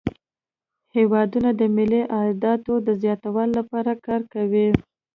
هیوادونه د ملي عایداتو د زیاتوالي لپاره کار کوي